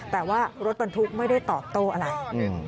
แต่ว่ารถพันธุไม่ได้ตอบโตอะไร